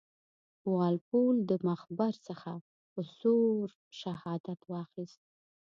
وال پول د مخبر څخه په زور شهادت واخیست.